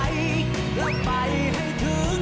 ที่ทำลงไปนักธุรกิจแล้ว